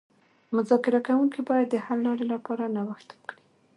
مذاکره کوونکي باید د حل لارې لپاره نوښت وکړي